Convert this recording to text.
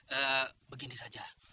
eh begini saja